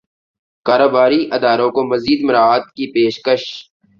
کاروباری اداروں کو مزید مراعات کی پیشکش